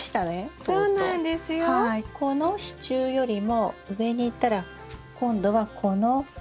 この支柱よりも上にいったら今度はこの。